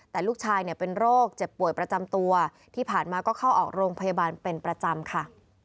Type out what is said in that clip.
แต่ลูกชายเนี่ยเป็นโรคเจ็บป่วยประจำตัวที่ผ่านมาก็เข้าออกโรงพยาบาลเป็นประจำค่ะ